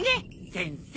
先生！